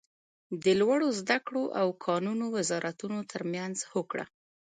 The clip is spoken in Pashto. د لوړو ذده کړو او کانونو وزارتونو تر مینځ هوکړه